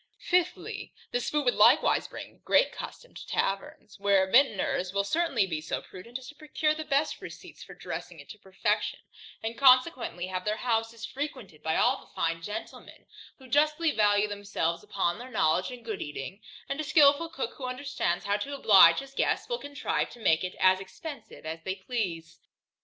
Fifthly, This food would likewise bring great custom to taverns, where the vintners will certainly be so prudent as to procure the best receipts for dressing it to perfection; and consequently have their houses frequented by all the fine gentlemen, who justly value themselves upon their knowledge in good eating; and a skilful cook, who understands how to oblige his guests, will contrive to make it as expensive as they please.